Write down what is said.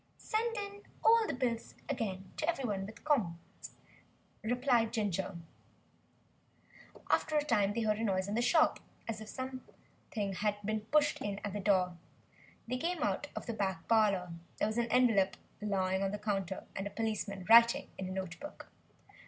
"Send in all the bills again to everybody 'with comp'ts,'" replied Ginger. After a time they heard a noise in the shop, as if something had been pushed in at the door. They came out of the back parlour. There was an envelope lying on the counter, and a policeman writing in a note book!